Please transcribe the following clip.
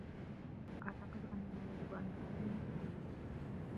أعتقد أننا يجب أن نفعل المزيد.